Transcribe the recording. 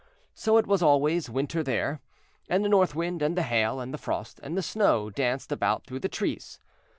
So it was always Winter there, and the North Wind, and the Hail, and the Frost, and the Snow danced about through the trees.